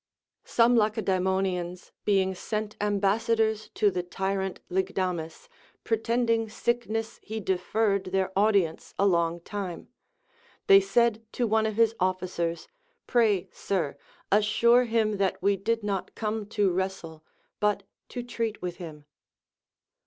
Some Lacedaemonians being sent ambassadors to the tyrant Lygdamis, pretending sickness he deferred their audience a long time. They said to one of his officers. Pray, sir, assure him that we did not come to Avrcstle but to treat with him.